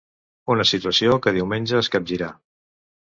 Una situació que diumenge es capgirà.